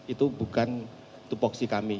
itu bukan topoksi kami